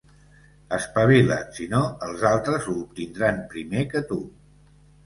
Espavila't; si no, els altres ho obtindran primer que tu.